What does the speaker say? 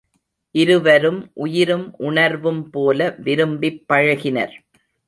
இருவரும் உயிரும் உணர்வும் போல விரும்பிப் பழகினர்.